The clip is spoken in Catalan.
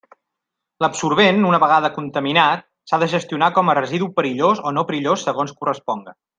L'absorbent, una vegada contaminat, s'ha de gestionar com a residu perillós o no perillós, segons corresponga.